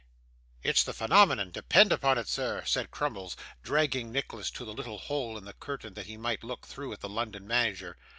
'It's the phenomenon, depend upon it, sir,' said Crummles, dragging Nicholas to the little hole in the curtain that he might look through at the London manager.